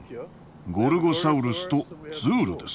ゴルゴサウルスとズールです。